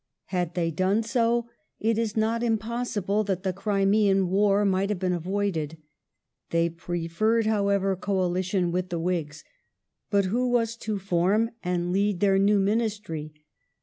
Had they done so, it is not impossible that the Crimean War might have been avoided. They preferred, however, coalition with the Whig^. But who was to form and lead their new Ministry